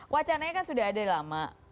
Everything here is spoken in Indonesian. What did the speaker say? wacananya kan sudah ada lama